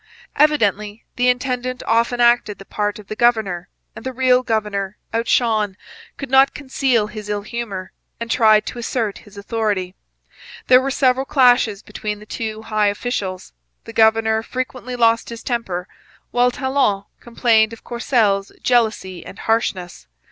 Evidently the intendant often acted the part of the governor; and the real governor, out shone, could not conceal his ill humour, and tried to assert his authority. There were several clashes between the two high officials. The governor frequently lost his temper, while Talon complained of Courcelle's jealousy and harshness.